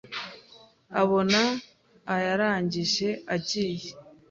abona, ayarangije agiye